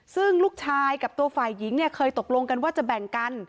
ซึ่งลูกชายกับตัวฝ่ายหญิงเนี่ยเคยตกลงกันว่าจะแบ่งกัน